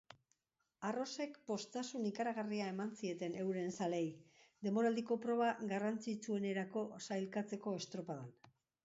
Arrosek poztasun ikaragarria eman zieten euren zaleei denboraldiko proba garrantzitsuenerako sailkatzeko estropadan.